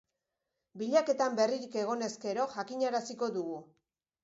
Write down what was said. Bilaketan berririk egonez gero, jakinaraziko dugu.